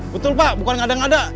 betul pak bukan ngada ngada